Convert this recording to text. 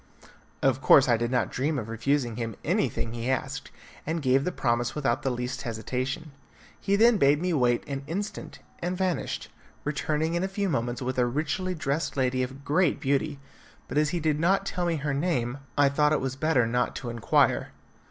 Of course I did not dream of refusing him anything he asked, and gave the promise without the least hesitation. He then bade me wait an instant, and vanished, returning in a few moments with a richly dressed lady of great beauty, but as he did not tell me her name, I thought it was better not to inquire.